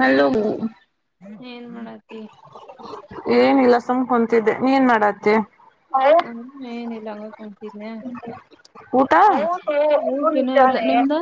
hello ಏನ್ ಮಾಡತಿ [inaudible] ಮ್ ಕುಂತಿದ್ದೆ ನೀನ್ ಮಾಡತ್ತತಿ ಹ್ಮ ಏನ ಇಲ್ಲಂಗ ಕುತನ ಊಟ ಹ ದಿನ ಇಲ್ಲ ನಿಮ್ದ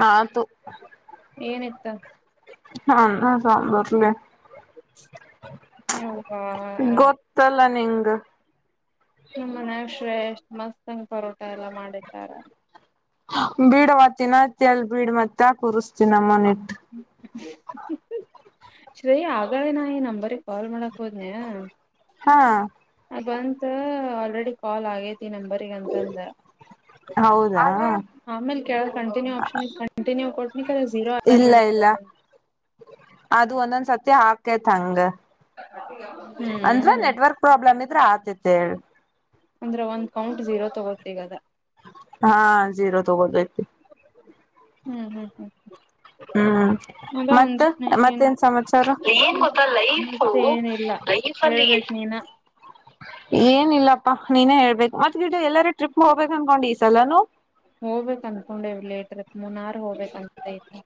ಹಾ ತ [unintelligible] ಏನಿತ್ತ ಅನ್ನ ಸಾಂಬಾರ್ ಹ ಹಾ ನಿಂಗು [unintelligible] ನಮ್ಮನ ಶ್ರೇ ಎಷ್ಟ್ ಮಸ್ತ್ಂಗ ಪರೋಟ ಎಲ್ಲಾ ಮಾಡಾರ ಬೀಡವತಿನತ್ತ ಎಲ್ ಬೀಡ್ ಮತ್ತೆ ಕೂರಿಸ್ತೀನ ನಮ್ಮನೆ ಶ್ರಯ ಆಗಳೇ ನಾ ಈ ನಂಬರ್ ಕಾಲ್ ಮಾಡಕ್ ಹೋದ್ನ ಹಾ ಬಂತ ಆಲ್ರೆಡಿ ಕಾಲ್ ಆಗೈತ್ ಂತ [unintelligible] ಹೌದಾ ಆಮೇ ಕ ಕಂಟಿನ್ಯೂ ಆನ್ ಮ ನೀವು ಕೊಟ್ಟನಿ ಕಾಲ ಜೀರೋ ಇಲ್ಲ ಆಗ್ಬಿಡುತ್ತೆ ಇಲ್ಲ [unintelligible] ಅದು ಒಂದೊಂದ್ ಸತಿ ಹಾಕೇತ್ಂಗ ಹ್ಮ್ ಆದ್ರೆ ಆತತೆ ಹೇಳ ಅಂದ್ರೆ ಒಂದ್ ಕೌಂಟ್ ಜೀರೋ ತಗೋ ಈಗದ ಹಾ ಜೀರೋ ತ ಬದುತಿ ಹ್ಮ್ ಹ್ಮ್ ಹ್ಮ್ ಹ್ಮ್ ಅದ ಮತ್ತ ಅಂಜನ ಏನ್ ಮತ್ತೇನ್ ಸಮಾಚಾರ ಗ ಲ [inaudible] ಈಫಲ್ಲಿಗೆ ಹ [unintelligible] [unintelligible] ಏನಿಲ್ಲಪ್ಪಾ ನೀನೇ ಹೇಳ್ಬೇಕು ಮತ್ ಗಿ ಎಲ್ಲಾರೂ ಟ್ರಿಪ್ ಹೋಗಬೇಕ ಅನ್ಕೊಂಡು ಈ ಸಲನು ಹೋಗ್ಬೇಕಕ್ ಅನ್ಕೊಂಡವ ಲೇಟರ್ತ್ ಮುನ್ನಾರ್ ಹೋಗಬೇಕಕ್ಂತೈತಿ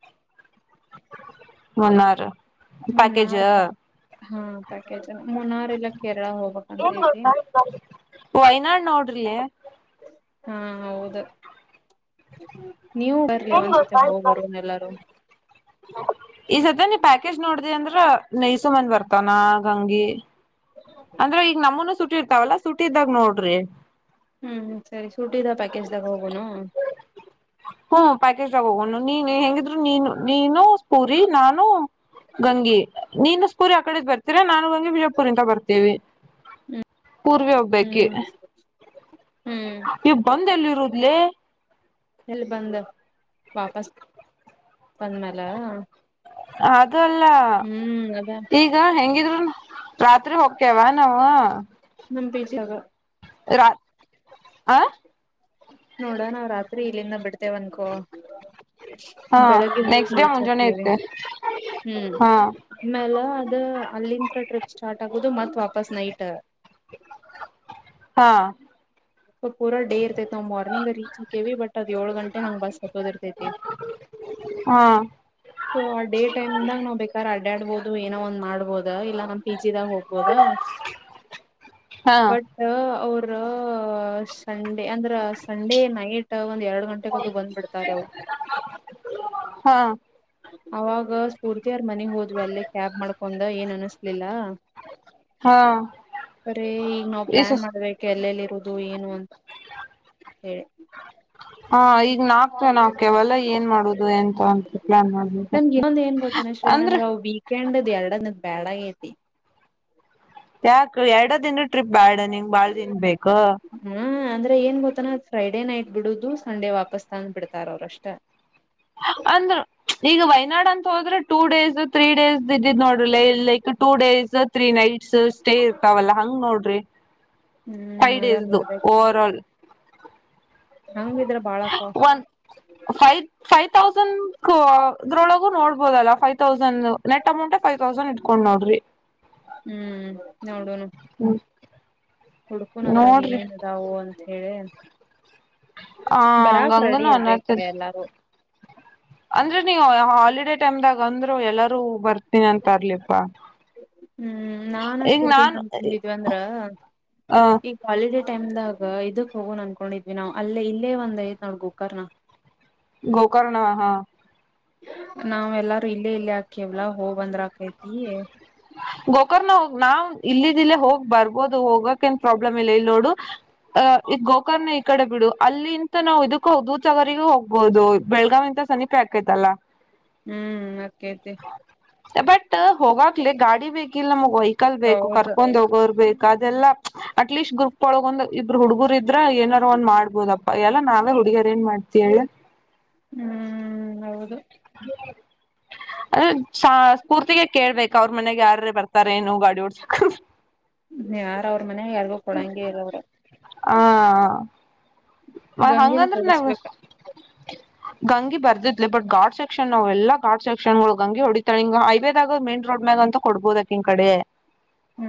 ಮನ್ನಾರ ಪಕೇಜ್ ಮುನ್ನಾರ್ ಹಾ ಪ್ಯಾಕೇಜ್ ಮುನ್ನಾರಲ್ಲ ಕೇರಳ ಹೋಗ್ಬೇಕಕ್ಂತ ಐತಿ ವಯ್ನಾಡ್ ನೋಡ್ರಿ ಹಾ ಹೌದ ನೀವು ಬರ್ಲಿ ಒಂದ್ಸತಿ ಹೋಗ್ರು ಎಲ್ಲಾರು ಈ ಸತಿ ನೀ ಪ್ಯಾಕೇಜ್ ನೋಡ್ದಿ ಅಂದ್ರ ನೈಸುಮನ್ ಬರ್ತಾನ ಗಂಂಗಿ ಅಂದ್ರ ಈಗ ನಮ್ಮನು ಸುಟ್ಟಿ ಇರ್ತಾವಲ್ಲ ಸುಟ್ಟಿದ್ದಾಗ ನೋಡ್ರಿ ಹ್ಮ್ ಸರಿ ಸುಟಿದ ಪ್ಯಾಕೇಜ್ದಾಗ ಹೋಗನು ಪ್ಯಾಕೆ್ ನೀವು ಹೆಂಗ ನೀನು ನೀನು ಸ್ ಪೂರಿ ನಾನು ಗಂಗೆ ನೀನು ರಿ ಕಡೆದ ಬರ್ತೀರ ನಾು ಗಂಗೆ ಬಿಜಪುರಿಂದ ಬರ್ತೀವಿ ಪೂರ್ವಿ ಒಬ್ಬಕಿ ಹ್ಮ್ ಹ್ಮ್ ನೀವು ಬಂದ ಎಲ್ಲಿ ರರುದಲೆ ಇಲ್ಲಿ ಬಂದ ವಾಪಸ್ ಬಂದ್ಮ್ಯಲೆ ಅದು ಅಲ್ಲ ಈಗ ಹೆಂಗಿದ್ರು ರಾತ್ರಿ ಹಕ್ಕ್ಯವಾ ನಾವು ನಮ್ ಪಿಜಿಯಾಗ ರಾ ಆ ನೋಡ ನಾವ್ ರಾತ್ರಿ ಇಲ್ಲಿಂದ ಬಿಡ್ತೆೇವನ್ಕೋ ಹಾ ಬೆಳಗ್ಗೆ ಹೋಗ ನೆಕ್ಸ್ಟ್ ಡೇ ರೀಚ್ ಮುಂಜಾನೆ ಹಾಕವಿ ಇರ್ತೆ ಹ್ಮ್ ಹಾ ಆಮೇಲೆ ಅದ ಅಲ್ಲಿಂ ಟ್ರಿಪ್ ಸ್ಟಾರ್ಟ್ ಆಗದು ಮತ್ ವಾಪಸ್ ನೈಟ್ [inaudible] ಹಾ ಪೂಾಡೇರ್ ತ ನಾವು ಮಾರ್ನಿಂಗ್ ರೀಚ್ ಹಕ್ಕೇವಿ ಬಟ್ ಅದ್ ಏಳ ಗಂಟೆ ಹಂಗ್ ಬಸ್ ಹಕೋದಿರ್ತೈತಿ ಹಾ ಡಬಹುದು ಏನೋ ಒ ಮಾಡಬಹದು ಇಲ್ಲ ನ್ ಪಿ ಜಿದಾಗ ಹೋಗ್ಬೋದ ಹಾ ಬಟ್ ಅವರು ಅರ ಸ ಅಂದ್ರ ಸಂಡೇ ನೈಟ್ ಒಂದ್ ಎರಡ್ ಗಂಟೆೆಗೆದು ಬಂದ್ ಬಿಿಡ್ತಾರೆ ಅವು ಹ್ಮ ಅವಾಗ ಸ್ಫೂರ್ತಿಯಾರ್ ಮನೆಗ್ ಹೋದ್ವಿ ಅಲ್ಲೇ ಕ್ಯಾಬ್ ಮಾಡ್ಕೊಂಡ ಏನ್ ಅನಸ್ಲಿಲ್ಲ ಹಾ ಸರಿೀ ಈಗ ನಾವ್ ಈ ಪ್ಲಾನ್ ಹ ಮಾಡ್ಬೇಕು ಎಲ್ಲೆಲ್ಲಿ ಇರು ಅದು ಏನು ಅಂತ ಹೇಳಿ ಹಾ ಈಗ ನಾಕ್ತ್ವ ನಾಕವಲ್ಲ ಏನ್ ಮಾಡುದು ಎಂತ ಅಂತ ಪ್ಲಾನ್ ಮಾಡ್ಬೇಕು ನನ್ಗೆ ಇನ್ನೊಂದು ಏನ್ ಗೋತಾನ ಶ್ರೇ ಅಂದ್ರ ನನ್ಗ ವೀಕೆಂಡ್ದ ಎರಡ ಬ್ಯಾಡ ಗತಿ ಯಾಕು ಎರಡ ದಿನ ಟ್ರಿಪ್ ಬ್ಯಾಡ ನಿಂಗ್ ಬಾಳ್ ದಿನ ಬೇಕ ಹ್ಮ ಅಂದ್ರೆ ಏನ್ ಗೊತ್ತಾನ ಫ್ರೈಡ್ ಡೇ ನೈಟ್ ಬಿಡುದು ಸಂಡೆ ವಾಪಸ್ ತಂದು್ ಬಿಡ್ತಾರ ಅವರಷ್ಟ ಅಂದ್ರು ಈಗ ವಯನಾಡ್ ಅಂತ ಹೋದ್ರೆ ಟೂ ಡೇಸ್ ತ್ರೀ ಡೇಸ್ ಇದ್ದಿದ್ ನೋಡ್ರ ಲ like two days three night stay ಇರ್ತಾವಲ್ಲ ಹಂಗ್ ನೋಡ್ರಿ ಹ್ಮ್ ಫೈವ ಅದ ಡೇಸ್ ನೋಡ್ಬೇಕ ಓವರ್ ಆಲ್ ಹಂಗಿದ್ರ ಬಾಳಕ ಒನ್ ಫೈವ್ ಫೈವ್ ತೌಸಂಡ್ ಅದ್ರೊಳಗೂ ನೋಡ್ಬೋದಲ್ಲ five thousand net amount five thousand ಇಟ್ಕೊಂಡ್ ನೋಡ್ರಿ ಹ್ಮ್ ನೋಡನು ಹ್ಮ್ ಹುಡ್ಕುನ ಅದ್ರಾಗ ನೋಡ್ರಿ ಏನೇನ್ ಇದದಾವ ಅಂತ ಹೇಳಿ ಆ ಬರಾಕ್ ರೆಡಿ ಹಂಗಂಗನು ಇರ್ಬೇಕು ಅನ್ನತಿರ್ ಎಲ್ಲಾರು ಅಂದ್ರೆ ನೀವು ಹಾಲಿಡೇ ಟೈಮ್ಗ ಅಂದ್ರು ಎಲ್ಲಾರೂ ಬರ್ತೀನಿ ಅಂತರ್ಲಿಪಾ ಹ್ಮ್ ನಾನ್ ಸ್ಫೂರ್ತಿ ಏನ್ ಅನ್ಕೊಂಡಿದ್ವಿ ಅಂದ್ರ ಅ ಈ ಕಾಲೇಜ ಟೈಮ್ದಾಗ ಇದಕ್ ಹೋಗೋಣ ಅನ್ಕೊಂಡಿದ್ವಿ ನಾವವು ಅಲ್ಲೇ ಇಲ್ಲೇ ಒಂದ್ಐದ್ ನಡ್ಗು ಕರ್ನಾ ಗೋಕರ್ಣ ಹಾ ನಾವ ಎಲ್ಲಾರು ಇಲ್ಲೇ ಇಲ್ಲೇ ಹಾಕ್ಯವ್ಲಾ ಹೋಗ ಬಂದ್ರ ಆಕೈತಿ ಗೋಕರ್ನ ಹೋಗ್ ನಾವ್ ಇಲ್ಲಿದ್ದಿಲ್ಲೇ ಹೋಗ್ ಬರ್ಬೋದು ಹೋಗಕ ಏನ್ ಪ್ರಾಬ್ಲಮ್ ಇಲ್ಲ ಇಲ್ ನೋಡು ಅ ಗೋಕರ್ನ ಕಡೆ ಬಿಡು ಅಲ್ಲಿ ಇಂತ ನಾ್ ಇದಕ್ಕ ದೂ ಸಗರಿಗೂ ಹೋಗ್ಬಹುದು ಬೆಳಗಾವ್ ಇಂತ ಸಿಪೆ ಹಾಕೈತಲ್ಲ ಹ್ಮ್ ನಕೈತೆ ಬಟ್ ಹೋಗಾಗ್ಲ ಗಾಡಿ ಬೇಕ ಇಿಲ್ಲ ನಮ್ಗ್ ವೆಹಿಕಲ್ ಬೇಕು ಹೌದು ಕರ್ಕೊಂಡ್ ಹೋಗೋರು ಬೇಕು ಅದೆಲ್ಲ ಅಟ್ಲೀಸ್ಟ್ ಗ್ರೂಪ್ ಒಳಗ ಒಂದ್ ಇಬ್ಬರು ಹುಡುಗರ ಇದ್ರ ಏನಾದಾರರು ಒಂದ ಮಾಡಬಹದಪ್ಪಾ ಎಲ್ಲ ನಾವೇ ಹುಡಿಗಾರ ಏನ್ ಮಾಡ್ತ ಹೇಳ ಹ್ಮ್ ಹೌದು [inaudible] [inaudible] ಅದ ಸ್ಫೂರ್ತಿಗೆ ಕೇಳ್ಬೇಕಕ್ ಅವ್ರ ಮನೆಗೆ ಯಾರ್ರ ಬರ್ತಾರೇನು ಗಾಡಿ ಓಡ್ಸಕ ್ಮ ಯಾರ ಅವ್ರ ಮನೆ ಎಲ್ಗೂ ಕೊಡಂಗಗೆ ಇರವರು ಹಾ ಗಂಗಿನ ಹಂಗಂದ್ರ [unintelligible] ಹೊಡಸ್ಬೇಕ ಗಂಗೆ ಬರ್ದಿಧ್ಲು ಬಟ್ ಗಾರ್ಡ್ ಸೆಕ್ಷನ್ ಅವೆಲ್ಲಾ ಗಾರ್ಡ್ ಸೆಕ್ಷನ್ ಗಳು ಗಂಗೆ ಹೊಡಿತಾಳೆ ಹಿಂಗ ಹೈವೇದಾಗ್ ಮೈನ್ ರೋಡ್ ಡ್ಮ್ಯಾಗಂಥು ಕೊಡ್ಬೋದಕಿನ್ ಕಡೆ ಹ್ಮ್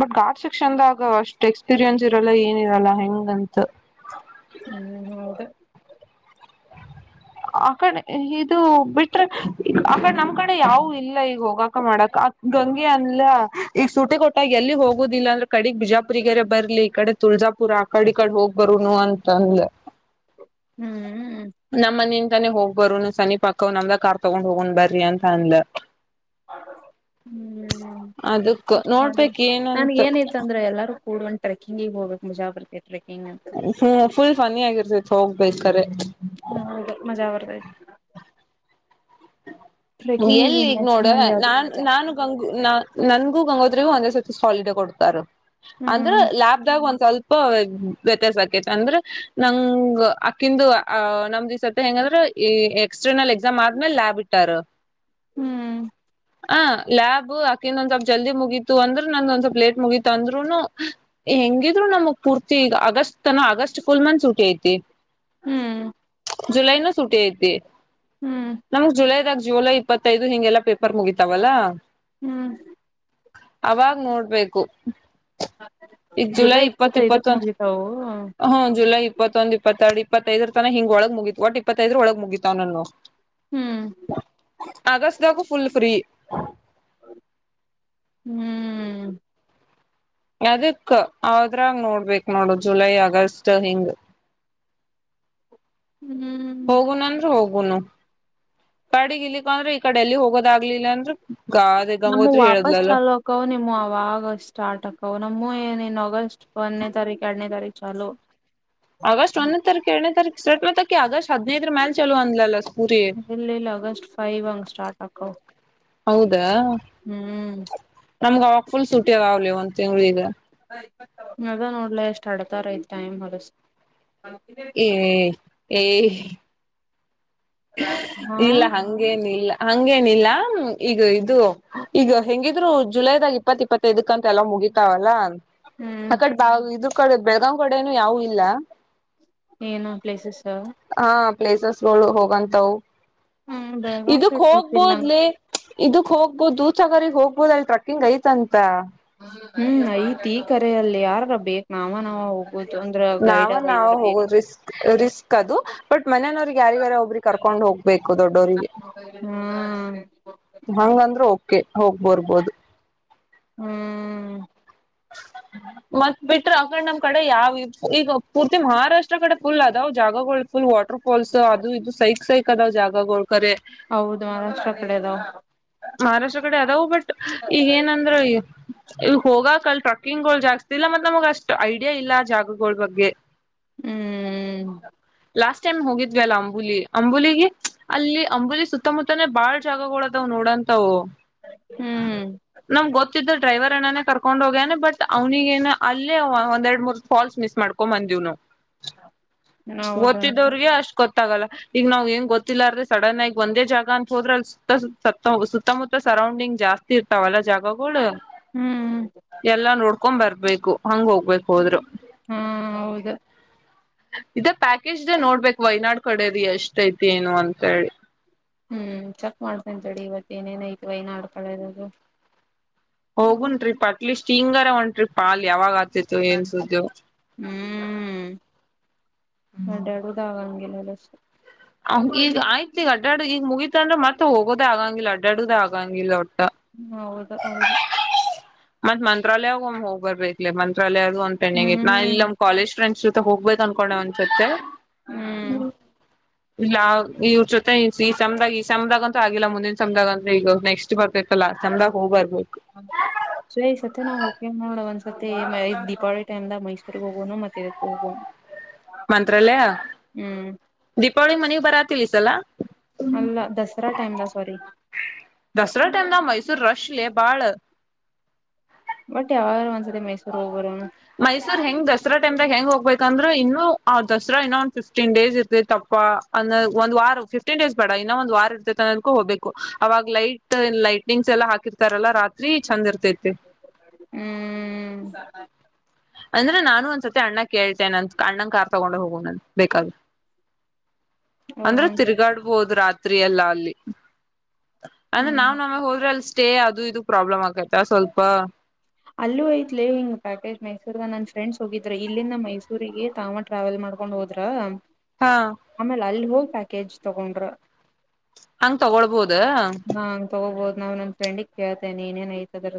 ಬಟ್ ಗಾಟ್ ಸೆಕ್ಷನ್ದಾಗ ಅಷ್ಟ್ ಎಕ್ಸ್ಪೀರಿಯನ್ಸ್ ಇರಲ್ಲ ಏನಿರಲ್ಲ ಹೆಂಗ ಅಂತ ಹ್ಮ್ ಹೌದು ಆಕಡೆ ಇದು ಬಿಟ್ರೆ ಆಕಡೆ ನಮ್ ಕಡೆ ಯಾವು ಇಲ್ಲ ಈಗ ಹೋಗಾಕ ಮಾಡಕ ಗಂಗಿ ಅಂದ್ಲ ಈ ಸೂಟಿ ಕೊಟ್ಟಾಗ ಎಲ್ಲಿ ಹೋಗೋದಿಲ್ಲ ಅಂದ್ರೆ ಕಡೆಗ್ ಬಿಜಾಪುರ್ಗಾರ ಬರ್ಲಿ ಈ ಕಡೆ ತ ಬಿಜಾಪುರ ಆ ಕಡೆ ಈ ಕಡೆ ಹೋಗ್ ಬರುನು ಅಂತಂಧ್ಲ ಹ್ಮ್ ಮನಿಂದನೆ ಹೋಗ್ಬರುನು ಸನಿ ಪಕ್ಕವ್ ನಮ್ದಾ ಕಾರ್ ತೊಗೊಂಡ್ ಹೋಗೊಂಡ್ ಬರ್ರಿ ಅಂತ ಅಂದ್ಲ [inaudible] ಹ್ಮ್ ಅದಕ್ ಮಾಡನ್ ನೋಡ್ಬೇಕ್ ಏನಂತ ನ್ಯಾನಿಗ್ಯೆನ್ ಇತಂದ್ರೆ ಎಲ್ಲಾರೂ ಕೂಡ್ಕಂಡ್ ಟ್ರಕಿಂಗಿಗೆ ಹೊಬ್ಯಕ್ ಮುಜಾ ಬರ್ [unintelligible] ಹ್ಮ ಫುಲ್ ಫನ್ನಿ ಆಗಿರ್ತೈತ್ ಹೋಗ್ಬೇಕ್ರ ಹ್ಮ್ ಹೌದು ಮಜಾ ಬರ್ತೈತಿ ಎಲ್ಲಿ ಟ್ರೆಕ್ಕಿಂಗಿಗೆ ಈಗ್ ಎಷ್ಟ್ ನೋಡ ಮಂದಿ ಆದ್ರೂ ನಾನ್ ಮಜಾ ನಾನು ಗಂಗು ನಾ ನನ್ಗೂ ಗಂಗೋತ್ ಒಂದ ಹಾಲಿಡ ಕೊಡ್ತಾರೆ ಅಂದ್ರೆ ಹ್ಮ್ ಲ್ಯಾಬ [unintelligible] ಸ್ವಲ್ಪ ವ್ಯತ್ಯಾಸಕ ಅಂದ್ರೆ ನಂಗ ಅಕ್ಕಿಂದು ಅ ನಮ್ ಜತೆ ಹೆಂಗ ್ರ ಈ ಎಕ್ಸ್ಟರ್ನಲ್ ಎಕ್ಸಾಮ್ ಆದ್ಮೇಲೆ ಲಯಬ್ಬ್ ಇಟ್ಟಾರ ಹ್ಮ್ ಹ ಲ್ಯಾಬ್ ಅಕಿಂದ ಒಂದ್ವಪ್ ಜಲ್ದಿ ಮುಗೀತು ಅಂದ್ರ ನಂದ ಒಂದ್ ಸ್ವಲ್ಪ್ ಲೇಟ್ ಮುಗೀತು ಅಂದ್ರುನು ಹೆಂಗಿದ್ರು ನಮಗ್ ಪೂರ್ತಿ ಈಗ ಆಗಸ್ಟ್ ತನ ಆಗಸ್ಟ್ ಫುಲ್ ಮಂ ಸುಟಿ ಐತಿ ಹ್ಮ್ ಜುಲೈ ನು ಸಟಿ ಇಐತಿ ಹ್ಮ್ ನಮ್ಗ್ ಜುಲೈದಾಗ ಜುಲೈ ಇಪ್ಪತ್ತೈದು ಹಿಂಗೆಲ್ಲಾ ಪೇಪರ್ ಮುಗಿತಾವಲ್ಲಾ ಹ್ಮ್ ಅವಾಗ್ ನೋಡ್ಬೇಕು ಈಗ ಜುಲೈ ಇಪ್ಪತ್ತ ಇಪ್ಪತ್ತೈದಕ್ ಇಪ್ಪತ್ತೊಂದು ಮುಗಿತಾವು ಹ್ಮ ಜುಲೈ ಇಪ್ಪತ್ತೊಂದು ಇಪ್ಪತ್ತೆರಡು ಇ ಇಪ್ಪತ್ತೈದರ ತನ ಹಿಂಗ ಒಳಗ್ ಮುಗಿತ್ ಒಟ್ ಇಪ್ಪತ್ತೈದರ ಒಳಗೆ ಮುಗಿತಾವ್ ನನು ಹ್ಮ್ ಅಗಸ್ಟಾಗು ಫುಲ್ ಫ್ರೀ ಹ್ಮ್ ಅದಕ್ಕಾ ಆದ್ರಾಗ ನೋಡ್ಬೇಕ್ ನೋಡು ಜುಲೈ ಆಗಸ್ಟ್ ಹಿಂಗ ಹ್ಮ್ ಹೋಗುನಂದ್ರ ಹೋಗುನು ಕಡೆಗ ಇಲ್ಲಿಗ್‌ಬರಿ ಈ ಕಡೆ ಎಲ್ಲಿ ಹೋಗದಗ್ಲಿಲ್ಲ ಅಂದ್ರ ಗಾದೆ ನಮ್ಮ ಗಂಗೋತ್ರಿ ವಾಪಸ್ ಹೇಳದ್ಲಲ್ಲ ಚಲ್ ಹಕವ ನಿಮ್ಮ ಅವಾಗ ಸ್ಟಾರ್ಟ್ ಆವನ ಉಯೆನಿನ್ನೆನ್ ಆಗಸ್ಟ್ ಒನ್ನೆ ತಾರೀಕ್ ಯಾರ್ಡ್ನೆ ತಾರೀಕ್ ಚಾಲೋ ಆಗಸ್ಟ್ ಒಂದೇ ತಾರಿಕ್ ಎರಡನೇ ತಾರಿಕ್ [unintelligible] ಆಗಸ್ಟ್ ಹದಿನೈದರ ಮೇಲೆ ಚಲೋ ಅಂಥಲ್ಲ ಇಲ್ಲಿಲ್ಲಾ ಆಗಸ್ಟ್ ಫೈವ್ ಅಂಗ್ ಸ್ಟಾರ್ಟ್ ಅಕ್ಕವು ಹೌದಾ ನಮಗ ಅವಾಗ ಫುಲ್ ಸುಟಿ ಅದಾವಲಿ ಒಂದ್ ತಿಂಗ್ಲಾ ಈಗ ಅದಾ ನೋಡ್ಲಿ ಎಷ್ಟ್ ಅಡ್ತಾರೈಐ ಟೈಮ್ ಹೊಲಸ ಏ ಏ ಹಾ ಇಲ್ಲ ಹಂಗೇನಿಲ್ಲ ಹಂಗೇನಿಲ್ಲ ಈಗ ಇದು ಈಗ ಹೆಂಗಿದ್ರು ಜುಲೈದಾಗ ಇಪ್ಪತ್ತ ಇಪ್ಪತ್ತೈದ ಂತ ಎಲ್ಲ ಮುಗಿತಾವಲ್ಲ ಹ್ಮ್ ಆಕಡೆ ಬ ಇದ್ರ ಕಡೆ ಬೆಳಗಾಂ ಕಡೆನು ಯಾವು ಇಲ್ಲ ಏನು ಪ್ಲೇಸಸ್ಸ ಹ ಪ್ಲೇಸಸ್ಗಳು ಹೋಗಂತವು ಹ್ಮ್ ಬೆಳಗಾವ್ ಇದಕ್ ಸೈಡ್ ಗೊತ್ತಿಲ್ಲ ನಂಗ ಹೋಗ್ಬೋದ್ಲಿ ಇದಕ್ ಹೋಗ್ಬಹದು ದೂಸಗರಗ್ ಹೋಗ್ಬಹುದು ಅಲ್ಲಿ ಟ್ರಕ್ಕಿಂಗ್ ಐತಂತ ಹ್ಮ್ ಐತಿ ಈ ಕರೆಯಲ್ಲಿ ಯಾರ ಬೇಕ್ ನಾವ ನಾವ ಹೋಗ್ ನಾವ ನಾವ ಹೋಗ ರಿಸ್ಕ್ ರಿಸ್ಕ್ ಅದು ಬಟ್ ಮನನವರಿಗೆ ಯಾರಿಗಾರ ಒಬ್ರ ಕರ್ಕೊಂ ಹೋಗ್ಬೇಕು ದೊಡ್ಡೋರಿಗೆ ಹ್ಮ್ ಹಂಗಂದ್ರರು ಹೋ ಹೋಗ್ಬರ್ಬೋದು ಹ್ಮ್ ಮತ್ ಬಿಟ್ರ ಅಕಡ ನಮ್ ಕಡೆ ಯಾವ ಈಗ ಪೂರ್ತಿ ಮಹಾರಾ ಇಷ್ಟ್ ಕಡೆ ಫುಲ್ ಅದಾವ್ ಜಾಗಗಳು ಫುಲ್ ವಾಟರ್ ಫಾಲ್ಸ್ ಅದು ಇದು ಸೈಕ್ ಸೈಕ್ ಅದಾವ್ ಜಾಗಗಳು ಕರೆ ಹೌದು ಮಹಾರಾಷ್ಟ್ರ ಕಡೆದಾವ ಮಹಾರಾಷ್ಟ್ರ ಕಡೆ ಅದವು ಬಟ್ ಈಗಏನಂದ್ರ ಈ ಇ ಹೋಗಕ್ ಅಲ್ ಟ್ರಕ್ಕಿಂಗ್ಗಳು ಜಾಗಸ್ತಿ ಇಲ್ಲ ಮತ್ತ ನಮಗ ಅಷ್ಟು ಐಡಿಯಾ ಇಲ್ಲ ಜಾಗಗಳ ಬಗ್ಗೆ ಹ್ಮ್ ಹ್ಮ್ ನ್ ಹೋಗಿದ್ವಿ ಅಲ್ಲ ಅಂಬುಲಿ ಅಂಬುಲಿಿಗೆ ಅಲ್ಲಿ ಅಂಬುಲಿ ಸುತ್ತಮುತ್ತನೇ ಬಾಳ್ ಜಾಗಗಳದಾವ್ ನೋಡನ್ ಹ್ಮ್ ನಮ್ ಗೊತ್ತ ಡ್ರೈವರ್ ಣನಾನೇ ಕರ್ಕೊಂಡ್ ಹೋಗ್ಯನೆ ಬಟ್ ಅವನಿಗೇನು ಅಲ್ಲೇ ಒಂದೆರಡ್ ಮೂರ್ ಫಾಲ್ಸ್ ಮಿಸ್ ಮಾಡ್ಕೊಂಡ್ ಬಂದ್ವಿ ಹೌದ ತ್ತಿದವ್ರಿಗೆ ಅಷ್ಟ್ ಗೊ ಗೊತ್ತಾಗಲ್ಲ ಈಗ ನಾವ್ ಏನ್ ಗೊತ್ತಿಲ್ಲ ಅ್ರ ಸಡನ್ ಆಗಿ ಒಂದೇ ಜಾಗ ಅಂತ ಹೋದ್ರೆ ಅ ಸುತ್ತಮುತ್ತ ಸರೌಂಡಿಂಗ್ ಜಾಸ್ತಿ ಇರ್ತಾವಲ್ಲ ಜಾಗಗಳು ಹ್ಮ್ ಎಲ್ಲಾ ನೋಡ್ಕೊಂಡ್ ಬರ್ಬೇಕು ಹಂಗ ಹೋಗ್ಬೇಕು ಹೋದ್ರು ಹಾ ಹೌದು ಇದೇ ಪ್ಯಾಕೇಜ್ ನೋಡ್ಬೇಕು ವಯನಾಡ್ ಕಡೆ ರ ಎಷ್ಟ ಐತಿ ಏನು ಅಂತೇಳಿ ಹ್ಮ್ ಚೆಕ್ ಮಾಡ್ತೇಂತೇಳ ಇವತ್ತ ಏನೇನಯತವ ಏನ್ ಆಡ್ಕಳರದು ಹೋಗುನ್ ಟ್ರಿಪ್ ಅಟ್ಲೀಸ್ಟ್ ಹಿಂಗಾರ ಒಂ ಟ್ರಿಪ್ ಪಾಲ್ ಯಾವಾಗ ಆತಿತ್ತು ಏನ್ ಸುದ್ದಿ ಹ್ಮ್ ಎಡದಾಗ ಏನದು ಈಗ ಆಯ್ತ ಈಗ ಅಡ್ಡ ಈಗ ಮುಗಿತತ ಅಂದ್ರೆ ಮತ್ತೆ ಹೋಗೋದೇ ಆಗಂಗಿಲ್ಲ ಅಡ್ಡಾಡುದ ಆಗಂಗಿಲ್ಲ ಒಟ್ಟ ಹೌದು ಹೌದು ಮತ್ ಮಂತ್ರಾಲಯಾಗ ಒ ಹೋಗ್ಬರ್ಬೇಕಕ್ ಮಂತ್ರಾಲಯದ ಒಂದ ಪೆಂಡಿಂಗ್ ಇ ನಾ ಇಲ್ಲಿ ನಮ ಹ್ಮ್ ಕಾಲಜ್ ಫ್ರೆಂಡ್ಸ್ ಹೋಗ್ಬೇಕು ಅನ್ಕೊಂಡೆ ಒನ್ಸತ್ತೆಮ ಹ್ಮ್ ಇಲ್ಲ ಇವ್ರ ಜೊತೆ ಈ ಸಮದಾಗ ಈ ಸಮದಾಗಂತೂ ಆಗಿಲ್ಲ ಮುಂದಿನ ಸಮ್ದಾಗ ಅಂತ ಈಗ ನೆಕ್ಸ್ಟ್ ಬರ್ತೈತಲ್ಲ ಚ ಹೋಗಬರ್ಬೋದು ಹ ಸ ಈ ಸತ್ತ ನಾವು ಓಕ ನೋಡ ಒಂದ್ಸ ಸತಿ ದೀಪಾವಳಿ ಟೈಮ್ ದ ಮೈಸೂರ್ಗ್ ಹೋಗೋಣ ಮತ್ತೆ ಇದಕ್ ಹೋಗೋಣ ಮಂತ್ರಾಲಯ ದೀಪಾವಳಿ ಮನ ಬರ ತಿಸಲ ಅಲ್ಲ ದಸರಾ ಟೈಮದ ಸೋರಿ ದಸರ ಟಮದ ಮೈಸೂರು ರಶ ಲೇ ಬಾಳ ಬಟ್ ಯಾವಾರು ಒಂದ್ಸ ಮೈಸೂರ್ ಹೆಂಗ್ ದಸರಾ ಟೈಮ್ರಾಗ ಹೆಂಗ್ ಹೋಗ್ಬೈತಿ ಯಾಕಂದ್ರೆ ಇನ್ನು ಅವ್ ದಸರಾ ಇನ್ನೊಂದಂದು ಫಿಫ್ಟೀನ್ ಡೇಸ್ ಇರ್ತಿ ತಪ್ಪ ಅಂದ ಒಂದ ವಾರ ಫಿಫ್ಟೀನ್ ಡೇಸ್ ಬಡ ಇನ ಒಂದ್ ವಾರ ಇರ್ತೈತೆ ಅನ್ನೋದ್ಕೂ ಹೋಗಬೇಕು ಅವಾಗ ಲೈಟ್ ಲೈಟ್ನಿಂಗ್ಸ್ ಎಲ್ಲ ಹಾಕಿರ್ತಾರಲ್ಲಾ ರಾತ್ರಿ ಚಂದ ಇರ್ತೈತೆ ಸ ಅಂದ್ರೆ ನಾನು ಒಂದ್ಸತಿ ಅಣ್ಣ ಕೇಳ್ತೆೇನೆ ನಂದ ಅಣ್ಣನ್ ಕಾರ್ ತಗೊಂಡ್ ಹೋಗೋ ನನ್ ಬೇಕಾದ್ರರು ಅಂದ್ರೆ ಹೋಗಂಗ ತಿರುಗಾಡ್ಬೋದು ರಾತ್ರಿಯಲ್ಲ ಅಲ್ಲಿ ಅಂದ್ರೆ ನಾವ್ ನಮ ಹೋದ್ರೆ ಅಲ್ಲಿ ಸ್ಟೇ ಅದು ಇದು ಪ್ರಾಬ್ಲಮ್ ಆಗೈತ ಸ್ವಲ್ಪ ಅಲ್ಲೂ ಐ್ತ್ಲ ಹಿ ಪ್ಯಾಕೇಜ್ ಮೈಸೂರ್ನ ನನ್ ಫ್ರೆಂಡ್ಸ್ ಹೋಗಿದ್ರೆ ಇಲ್ಲಿಂದ ಮೈಸೂರಿಗೆ ತಾಮ ಟ್ರಾವೆಲ್ ಮಾಡಕೊಂಡ್ ಹೋದ್ರ ಹಾ ಆಮೇಲೆ ಅಲ್ಲಿ ಹೋಗ ಪ್ಯಾಕೇಜ್ ತಗೊಂಡ್ರ ಹಂಗ ತಗೊಳ್ಬೋದ ನಾ್ ನನ್ ಫ್ರೆಂಡಿಗ್ ಕೇಳ್ತೇನೆ ಏನೇನ್ ಐ್ತದ್ರ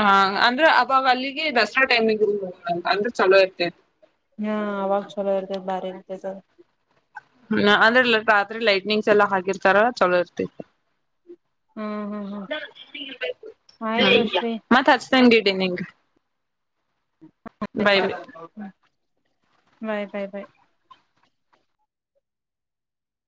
ಹಾ ಅಂದ್ರ ಅಬ್ಬ ಅಲ್ಲಿಗೆ ದಸರಾ ಟೈಮಿಗೆ ಅಂದ್ರೆ ಚಲೋ ಇರ್ತೆ ಹಾ ಅವಾಗ ಚಲೋ ಇರ್ತ ಬಾರಿ ಇರ್ತೆ ಹ್ಮ ಅಂದ್ರೆ ಇ ರಾತ್ರಿ ಲೈಟ್ನಿಂಗ್ಸ್ ಎಲ್ಲಾ ಹಾಕಿರ್ತಾರ ಚಲೋ ಇರ್ತಿತಿ ಹ್ಮ್ ಹ್ಮ್ ಹ್ಮ್ ಆಯ್ತು ಶ್ರೀ ಸಂಡೇ ಡೇ ನಿಂಗ ಬಾಯ್ ಬಾಯ್ ಬಾಯ್